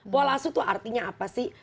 pola asuh tuh artinya apa sih